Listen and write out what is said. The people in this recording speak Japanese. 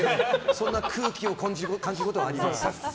そんな空気を感じることがあります。